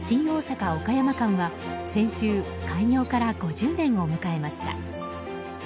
大阪岡山間は先週、開業から５０年を迎えました。